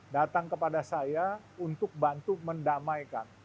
datang kepada saya untuk bantu mendamaikan